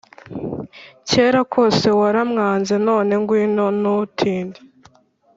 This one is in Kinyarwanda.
Kera kose waramwanze none ngwino ntutinde